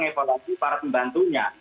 evaluasi para pembantunya